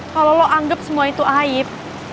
kalau lo anggap semua itu aib